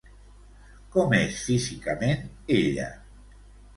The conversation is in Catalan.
Com és físicament ella?